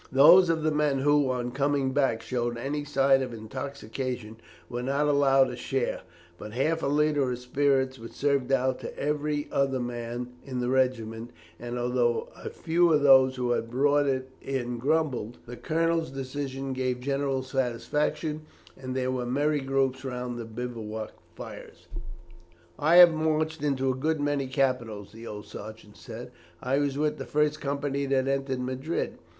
Those of the men who, on coming back, showed any signs of intoxication were not allowed a share, but half a litre of spirits was served out to every other man in the regiment; and although a few of those who had brought it in grumbled, the colonel's decision gave general satisfaction, and there were merry groups round the bivouac fires. "I have marched into a good many capitals," the old sergeant said. "I was with the first company that entered Madrid.